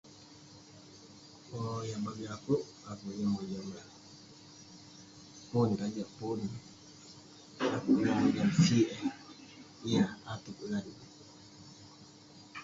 Yah bagik akouk, akouk mojam lah, pon sajak pon. [unintelligible] yah atek lan ne.